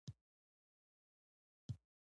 ملا صاحب د کلي روحاني مشر وي.